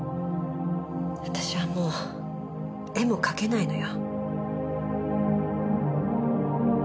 私はもう絵も描けないのよ。